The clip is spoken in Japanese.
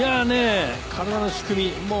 体の仕組みね。